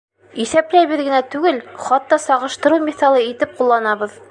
Иҫәпләйбеҙ генә түгел, хатта сағыштырыу миҫалы итеп ҡулланабыҙ.